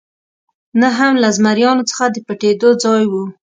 نه هم له زمریانو څخه د پټېدو ځای و.